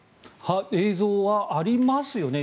映像はありますね。